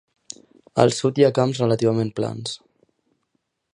Al sud hi ha camps relativament plans.